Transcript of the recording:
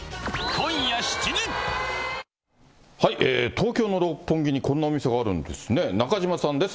東京の六本木にこんなお店があるんですね、中島さんです。